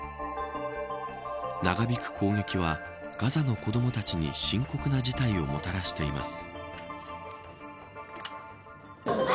長引く攻撃はガザの子どもたちに深刻な事態をもたらしています。